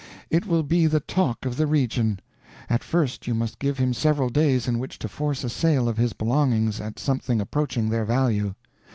It will be the talk of the region. At first you must give him several days in which to force a sale of his belongings at something approaching their value.